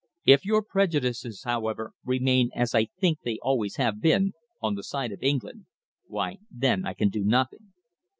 If your prejudices, however, remain as I think they always have been, on the side of England, why then I can do nothing."